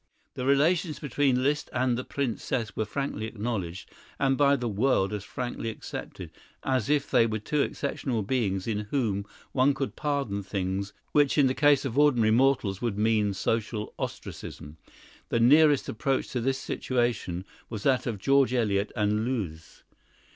The relations between Liszt and the Princess were frankly acknowledged, and by the world as frankly accepted, as if they were two exceptional beings in whom one could pardon things which in the case of ordinary mortals would mean social ostracism. The nearest approach to this situation was that of George Eliot and Lewes.